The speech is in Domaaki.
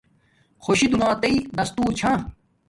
خوشی دونیاتݵ دس تور چھا